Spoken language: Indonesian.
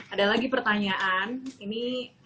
ada lagi pertanyaan ini